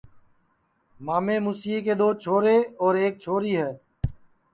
مامے موسیے جے دو چھورے اور ایک چھوری ہے